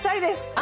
あ。